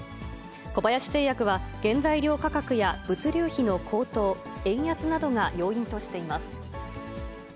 小林製薬は、原材料価格や物流費の高騰、円安などが要因としています。